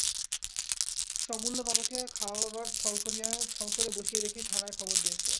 সে অমূল্যবাবুকে খাওয়াবার ছল করে বসিয়ে রেখেই থানায় খবর দিয়েছে।